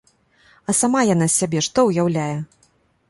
А сама яна з сябе што ўяўляе?